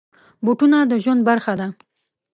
بوټونه د ژوند برخه ده.